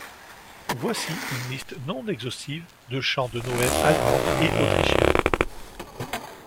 Voici une liste non exhaustive de chants de Noël allemands et autrichiens.